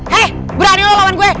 hei berani lo lawan gue